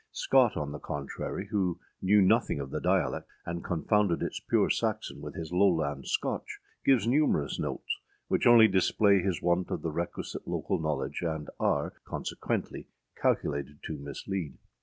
Scott, on the contrary, who knew nothing of the dialect, and confounded its pure Saxon with his Lowland Scotch, gives numerous notes, which only display his want of the requisite local knowledge, and are, consequently, calculated to mislead.